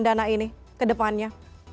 dana ini ke depannya